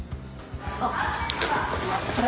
あっ！